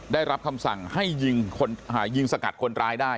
ได้รับคำสั่งให้ยิงสกัดคนร้ายได้